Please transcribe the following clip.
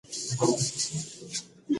زه روان یم پاريس ته